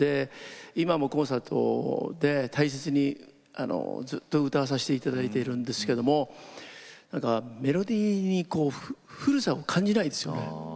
今もコンサートで大切にずっと歌わさせていただいているんですけれどもメロディーに古さを感じないですよね。